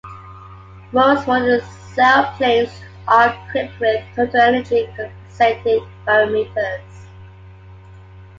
Most modern sailplanes are equipped with "Total Energy compensated" variometers.